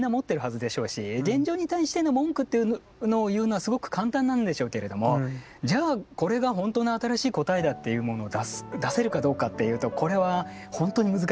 現状に対しての文句っていうのを言うのはすごく簡単なんでしょうけれどもじゃあこれがほんとの新しい答えだっていうものを出す出せるかどうかっていうとこれはほんとに難しい気がするんですね。